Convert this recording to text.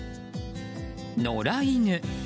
野良犬。